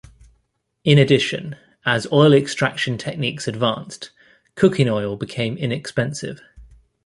In addition, as oil extraction techniques advanced, cooking oil became inexpensive.